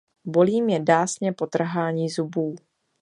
Bolí mě dásně po trhání zubů.